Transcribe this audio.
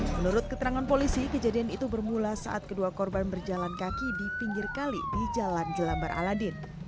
menurut keterangan polisi kejadian itu bermula saat kedua korban berjalan kaki di pinggir kali di jalan jelambar aladin